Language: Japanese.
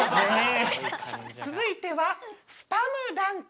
続いてはスパムダンク。